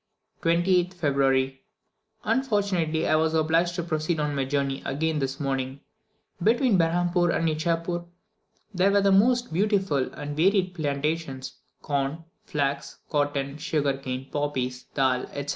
28th February. Unfortunately I was obliged to proceed on my journey again this morning. Between Berhampoor and Ichapoor, there were the most beautiful and varied plantations corn, flax, cotton, sugar cane, poppies, dahl, etc.